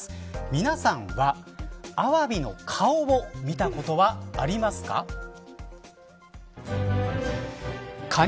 皆さんはアワビの顔を見たことはありますか。